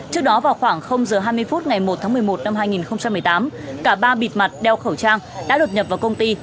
trước đó vào khoảng h hai mươi phút ngày một tháng một mươi một năm hai nghìn một mươi tám cả ba bịt mặt đeo khẩu trang đã đột nhập vào công ty